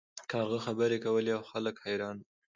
کارغه خبرې کولې او خلک حیران وو.